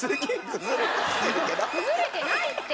崩れてないって！